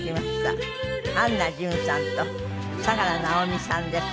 安奈淳さんと佐良直美さんです。